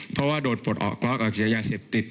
เพราะว่าโดนปลดออกเพราะยาเสพติด